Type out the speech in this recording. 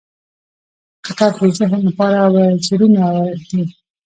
• کتاب د ذهن لپاره وزرونه دي.